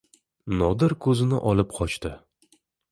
Nodir ko‘zini olib qochdi.